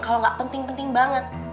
kalau gak penting penting banget